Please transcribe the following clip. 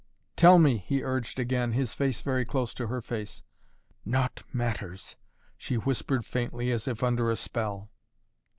"Tell me!" he urged again, his face very close to her face. "Naught matters," she whispered faintly, as if under a spell.